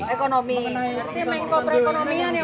maksudnya main komprekonomian ya pak